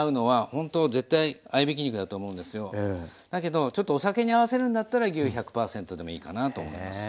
だけどちょっとお酒に合わせるんだったら牛１００％でもいいかなと思います。